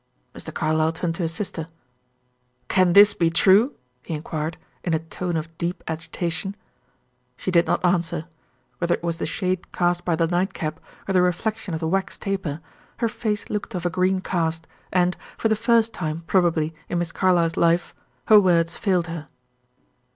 Mr. Carlyle turned to his sister. "Can this be true?" he inquired, in a tone of deep agitation. She did not answer. Whether it was the shade cast by the nightcap, or the reflection of the wax taper, her face looked of a green cast, and, for the first time probably in Miss Carlyle's life, her words failed her.